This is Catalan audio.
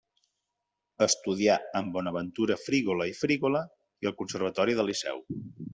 Estudià amb Bonaventura Frígola i Frígola i al conservatori del Liceu.